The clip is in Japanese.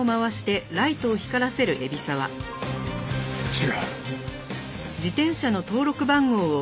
違う。